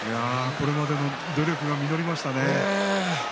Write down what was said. これまでの努力が実りましたね。